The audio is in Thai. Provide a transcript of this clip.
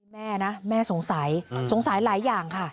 แม่นะแม่สงสัยสงสัยหลายอย่างค่ะ